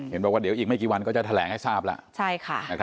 บอกว่าเดี๋ยวอีกไม่กี่วันก็จะแถลงให้ทราบแล้ว